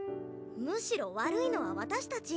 むしろ悪いのは私たち。